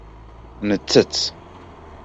Nettett.